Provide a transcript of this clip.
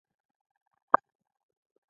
کله چې افغانستان کې ولسواکي وي جرګې جوړیږي.